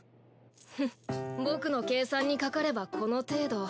フンッ僕の計算にかかればこの程度。